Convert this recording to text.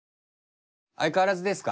相変わらずですか？